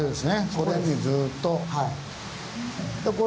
これにずっと。